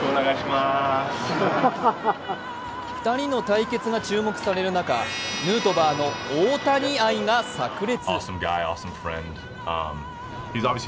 ２人の対決が注目される中ヌートバーの大谷愛がさく裂。